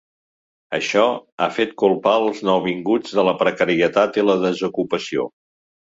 Això ha fet culpar els nouvinguts de la precarietat i la desocupació.